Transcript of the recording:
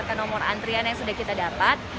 ini adalah nomor antrian yang sudah kita dapat